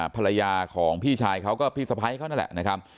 ภรรยาของพี่ชายเขาก็พี่สะพ้ายเขานั่นแหละนะครับ